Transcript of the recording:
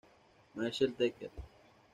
Marcel Dekker.